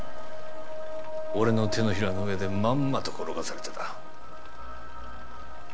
俺の手のひらの上でまんまと転がされてた。